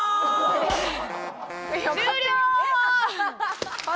終了！